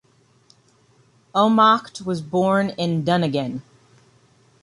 Ohmacht was born in Dunningen.